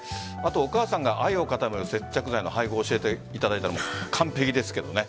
お母さんが愛を固める接着剤の配合を教えていただいたのも完璧ですけどね。